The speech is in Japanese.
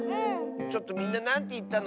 ちょっとみんななんていったの？